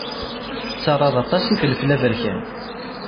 Tettarraḍ aṭas n yifelfel aberkan.